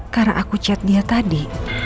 karena aku chat dia tadi